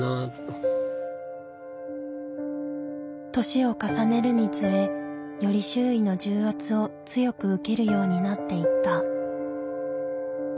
年を重ねるにつれより周囲の重圧を強く受けるようになっていった。